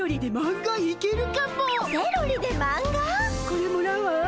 これもらうわ。